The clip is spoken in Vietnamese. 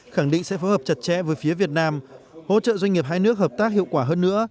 khẳng định sẽ phối hợp chặt chẽ với phía việt nam hỗ trợ doanh nghiệp hai nước hợp tác hiệu quả hơn nữa